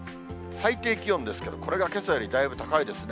最低気温ですけど、これがけさよりだいぶ高いですね。